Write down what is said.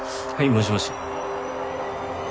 もしもし。